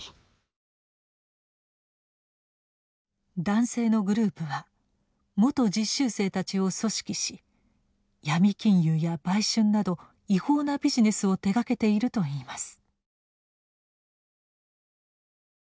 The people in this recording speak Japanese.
男性のグループは元実習生たちを組織し闇金融や売春など違法なビジネスを手がけているといいます。